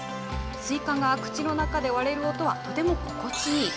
スイカが口の中で割れる音はとても心地いい。